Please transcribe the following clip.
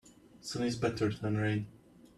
Sun is better than rain.